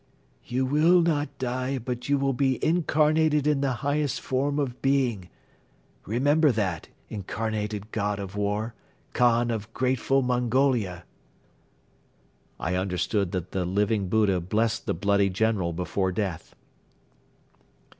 "You will not die but you will be incarnated in the highest form of being. Remember that, Incarnated God of War, Khan of grateful Mongolia!" I understood that the Living Buddha blessed the "Bloody General" before death.